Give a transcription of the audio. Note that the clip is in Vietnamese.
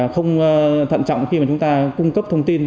không thận trọng khi mà chúng ta cung cấp thông tin